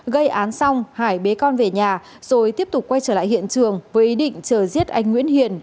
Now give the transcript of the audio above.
gây án xong hải bế con về nhà rồi tiếp tục quay trở lại hiện trường với ý định chờ giết anh nguyễn hiền